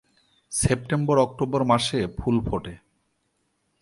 সেপ্টেম্বর-অক্টোবর মাসে ফুল ফোটে।